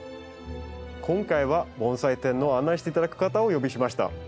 今回は盆栽展の案内して頂く方をお呼びしました。